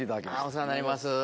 お世話になります。